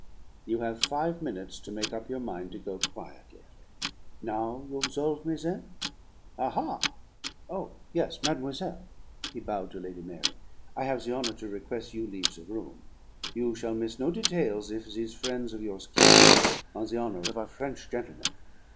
You have five minutes to make up your mind to go quietly." "Now you absolve me, then? Ha, ha! Oh, yes! Mademoiselle," he bowed to Lady Mary, "I have the honor to reques' you leave the room. You shall miss no details if these frien's of yours kill me, on the honor of a French gentleman."